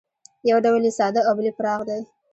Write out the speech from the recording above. یو ډول یې ساده او بل یې پراخ دی